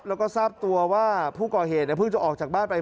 แล้วก็ทราบตัวว่าผู้ก่อเหตุเพิ่งจะออกจากบ้านไป